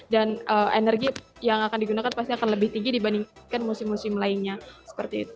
dan energi yang akan digunakan pasti akan lebih tinggi dibandingkan musim musim lainnya seperti itu